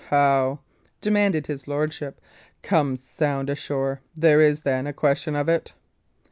"How!" demanded his lordship. "Come sound ashore? There is, then, a question of it?"